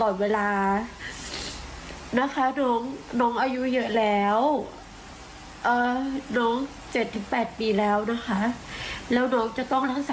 อย่าเอาน้องไปเลยเอาไปก็ไม่ได้ค่าใช้จ่ายนะคะ